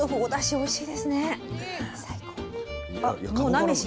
おいしい！